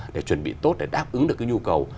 để chuẩn bị tốt để đáp ứng được cái nhu cầu